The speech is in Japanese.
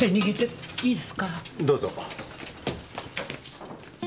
どうぞ。